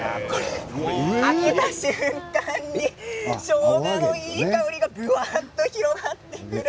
開けた瞬間にしょうがのいい香りがぶわっと広がりました。